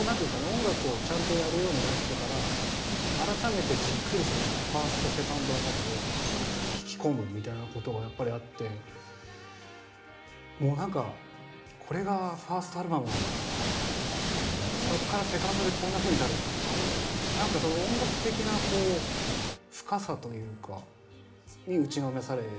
音楽をちゃんとやるようになってから改めてじっくり１ｓｔ２ｎｄ辺りを聴き込むみたいなことがやっぱりあってもうなんかこれが１ｓｔアルバムなんだとかそっから２ｎｄでこんなふうになるんだとかなんか音楽的なこう深さというかに打ちのめされますね。